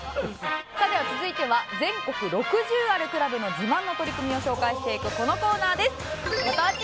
さあでは続いては全国６０あるクラブの自慢の取り組みを紹介していくこのコーナーです。